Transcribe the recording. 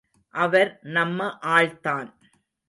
அவர் நம்ம ஆள்தான்.